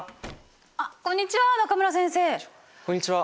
あっこんにちは中村先生！こんにちは！